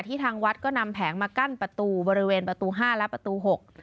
ทางวัดก็นำแผงมากั้นประตูบริเวณประตูห้าและประตูหก